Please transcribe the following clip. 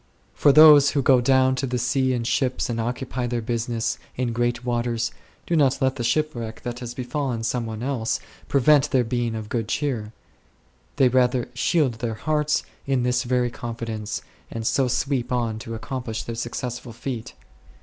For those who "go down to the sea in ships and occupy their business in great waters " do not let the shipwreck that has be fallen some one else prevent their being of good cheer ; they rather shield their hearts in this very confidence, and so sweep on to accomplish their successful feat.